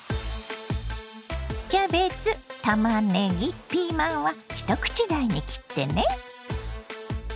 キャベツたまねぎピーマンは一口大に切ってね。